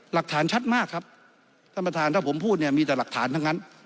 หลักฐานชัดมากครับท่านประธานถ้าผมพูดเนี่ยมีแต่หลักฐานทั้งนั้น